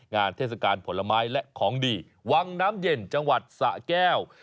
เทศกาลผลไม้และของดีวังน้ำเย็นจังหวัดสะแก้ว